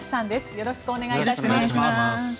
よろしくお願いします。